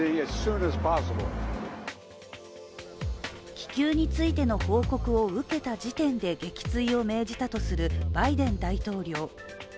気球についての報告を受けた時点で撃墜を命じたとするバイデン大統領。